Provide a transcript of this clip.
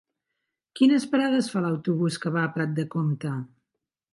Quines parades fa l'autobús que va a Prat de Comte?